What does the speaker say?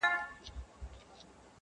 o اوښ په سر باري نه درنېږي!